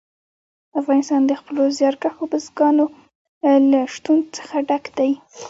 افغانستان د خپلو زیارکښو بزګانو له شتون څخه ډک دی.